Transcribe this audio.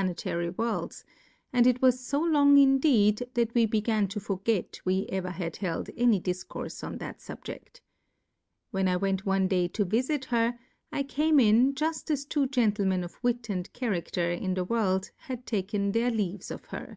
ietary Worlds ; and it was fo' long indeed, that we began to forget we ever had held any Difcourfe on that Subjefl:. Plurality ^/WORLDS. i6j Subjeft. When I went one Day to Vilit her, I came in juft as two Gentle men of Wit and CharaQier in tlie World had taken their leaves of her.